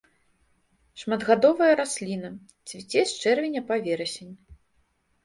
Шматгадовая расліна, цвіце з чэрвеня па верасень.